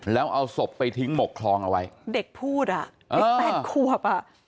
แล้วเอาศพไปทิ้งหมกคลองเอาไว้เด็กพูดอ่ะเด็กแปดขวบอ่ะ